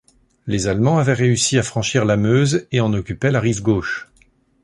Les Allemands avaient réussi à franchir la Meuse et en occupaient la rive gauche.